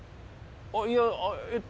あっいやえっと。